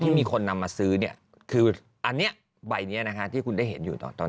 มีคนนำมาซื้อเนี่ยคืออันนี้ใบนี้นะคะที่คุณได้เห็นอยู่ตอนนี้